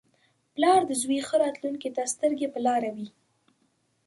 • پلار د زوی ښې راتلونکې ته سترګې په لاره وي.